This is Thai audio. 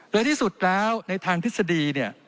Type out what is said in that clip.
และที่สุดแล้วในทางทฤษฎีเนี่ย